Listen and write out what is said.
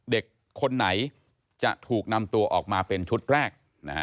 เด็กคนไหนจะถูกนำตัวออกมาเป็นชุดแรก